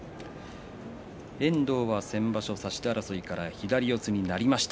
遠藤は差し手争いから左四つになりました。